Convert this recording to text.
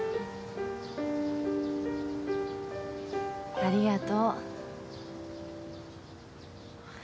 ありがとう。